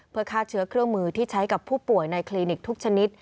เพื่อฆ่าเชื้อเครื่องมือที่ใช้กับผู้ป่วยในคลินิกทุกชนิด